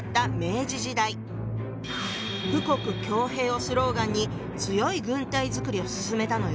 「富国強兵」をスローガンに強い軍隊作りを進めたのよ。